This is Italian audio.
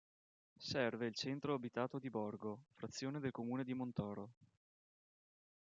Serve il centro abitato di Borgo, frazione del comune di Montoro.